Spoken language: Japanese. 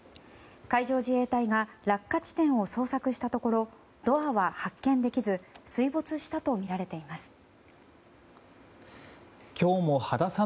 海上自衛隊が落下地点を捜索したところドアは発見できず水没したとみられています。